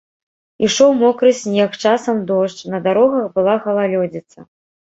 Ішоў мокры снег, часам дождж, на дарогах была галалёдзіца.